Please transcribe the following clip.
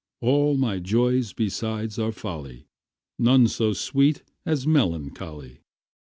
All my joys besides are folly, None so sweet as melancholy.